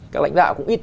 các lãnh đạo cũng ít